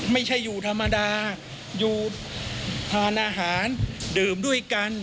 ไม่ใช่อยู่ธรรมดาอยู่ทานอาหารดื่มด้วยกัน